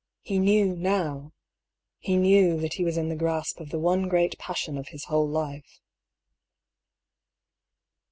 He knew now — he knew that he was in the grasp of the one great passion of his whole life.